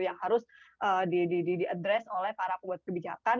yang harus di address oleh para pembuat kebijakan